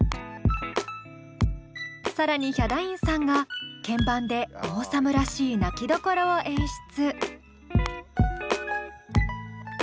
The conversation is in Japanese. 更にヒャダインさんが鍵盤でオーサムらしい泣きどころを演出。